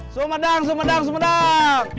sumedang sumedang sumedang